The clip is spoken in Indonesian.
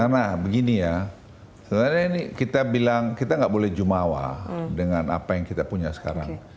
nah begini ya kita bilang kita nggak boleh jumawa dengan apa yang kita punya sekarang